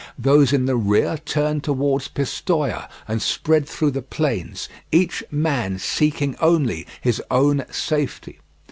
Those in the rear turned towards Pistoia, and spread through the plains, each man seeking only his own safety.